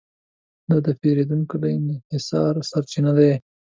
دا د پېریدونکو له انحصار سرچپه دی.